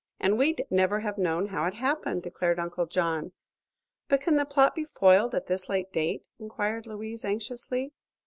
"And we'd never have known how it happened," declared Uncle John. "But can the plot be foiled at this late date?" inquired Louise, anxiously.